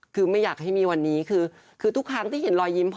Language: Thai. คือไม่อยากให้มีวันนี้คือทุกครั้งที่เห็นรอยยิ้มพ่อ